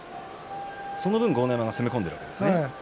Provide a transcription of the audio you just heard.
その分豪ノ山が攻め込んでいるんですね。